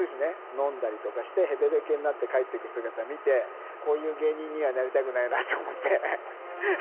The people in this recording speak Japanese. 飲んだりとかしてへべれけになって帰っていく姿見て、こういう芸人にはなりたくないなと思って。